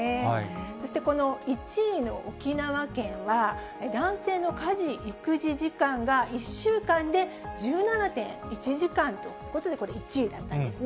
そしてこの１位の沖縄県は、男性の家事・育児時間が１週間で１７．１時間ということで、１位ということだったんですね。